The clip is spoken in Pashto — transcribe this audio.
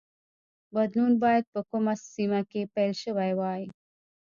بدلون باید په کومه سیمه کې پیل شوی وای.